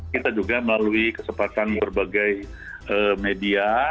kita juga melalui kesempatan berbagai media